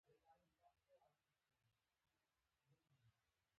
پیاله د مینې جام ده.